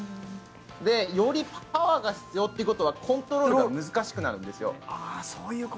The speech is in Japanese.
よりパワーが必要ということはコントロールが難しくなるんですよ。